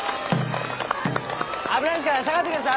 危ないですから下がってください。